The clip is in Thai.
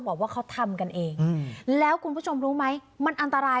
บอกว่าเขาทำกันเองแล้วคุณผู้ชมรู้ไหมมันอันตราย